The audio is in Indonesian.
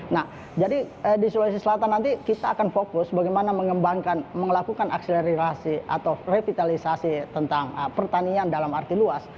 nah jadi di sulawesi selatan nanti kita akan fokus bagaimana mengembangkan melakukan akselerasi atau revitalisasi tentang pertanian dalam arti luas